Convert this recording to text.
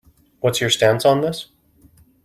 What is your stance on this?